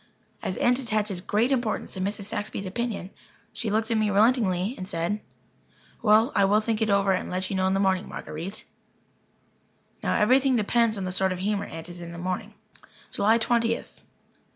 As Aunt attaches great importance to Mrs. Saxby's opinion, she looked at me relentingly and said: "Well, I will think it over and let you know in the morning, Marguer_ite_." Now, everything depends on the sort of humour Aunt is in in the morning. July Twentieth.